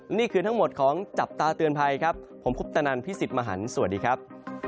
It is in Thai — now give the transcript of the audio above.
นี่คือทั้งหมดของจับตาเตือนภัยครับผมคุปตนันพี่สิทธิ์มหันฯสวัสดีครับ